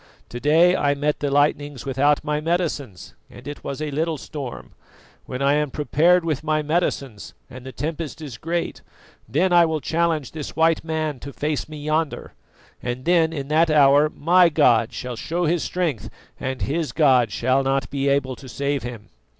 "To day I met the lightnings without my medicines, and it was a little storm; when I am prepared with my medicines and the tempest is great, then I will challenge this white man to face me yonder, and then in that hour my god shall show his strength and his God shall not be able to save him."